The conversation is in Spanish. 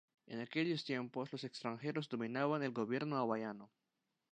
En aquellos tiempos, los extranjeros dominaban el gobierno hawaiano.